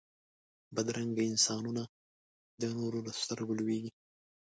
بدرنګه انسانونه د نورو له سترګو لوېږي